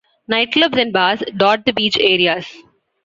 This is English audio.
Nightclubs and bars dot the beach areas.